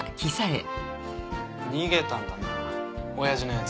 逃げたんだな親父のやつ。